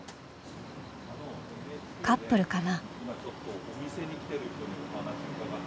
カップルかな？